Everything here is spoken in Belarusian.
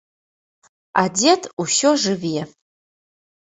А дзед усё жыве.